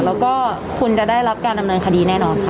แล้วก็คุณจะได้รับการดำเนินคดีแน่นอนค่ะ